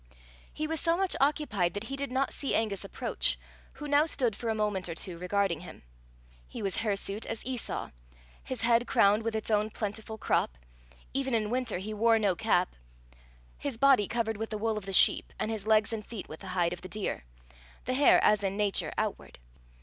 He was so much occupied that he did not see Angus approach, who now stood for a moment or two regarding him. He was hirsute as Esau, his head crowned with its own plentiful crop even in winter he wore no cap his body covered with the wool of the sheep, and his legs and feet with the hide of the deer the hair, as in nature, outward.